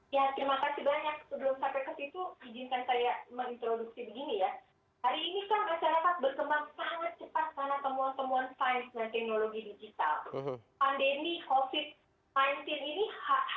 ya terima kasih banyak sebelum sampai ke situ izinkan saya menginterduksi begini ya